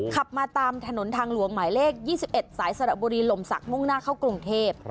ขับมาตามถนนทางหลวงหมายเลข๒๑สายสระบุรีลมศักดิมุ่งหน้าเข้ากรุงเทพ